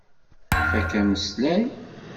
Fakk ameslay.